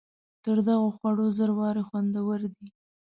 تر دغو خوړو زر وارې خوندور دی.